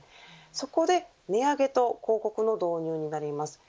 そこで値上げと広告の導入になります。